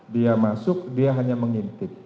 dia masuk dia hanya mengintip